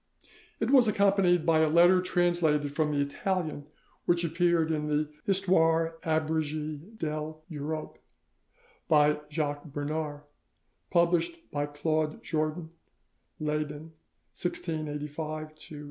It was accompanied by a letter translated from the Italian which appeared in the 'Histoire Abregee de l'Europe' by Jacques Bernard, published by Claude Jordan, Leyden, 1685 87, in detached sheets.